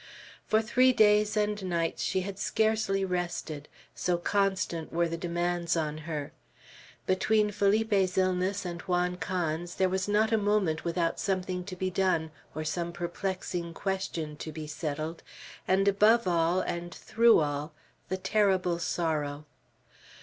For three days and nights she had scarcely rested, so constant were the demands on her. Between Felipe's illness and Juan Can's, there was not a moment without something to be done, or some perplexing question to be settled, and above all, and through all, the terrible sorrow.